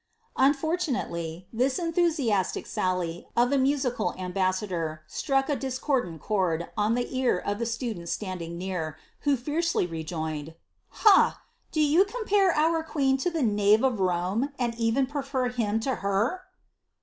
Unfortunately, this enthusiastic sally of the musical ambassador struck a discordant chord on the ear of a student siandinff near, who fiercely rejoined —^^ Ha ! do you compare our queen to the knave of Rome, and even prefer him to her